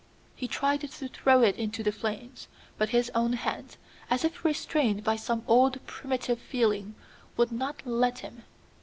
He tried to throw it into the flames, but his own hands, as if restrained by some old primitive feeling, would not let him.